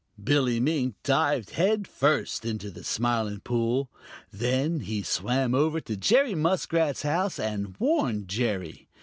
Billy Mink dived head first into the Smiling Pool. Then he swam over to Jerry Muskrat's house and warned Jerry.